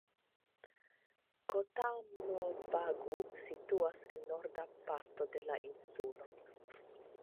Kotamobagu situas en norda parto de la insulo.